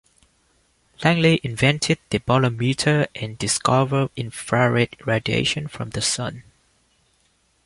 Langley invented the bolometer and discovered infrared radiation from the sun.